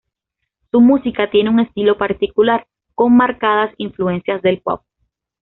Su música tiene un estilo particular, con marcadas influencias del pop.